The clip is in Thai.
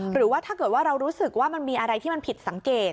หรือถ้าเกิดเรารู้สึกว่ามีอะไรที่มันผิดสังเกต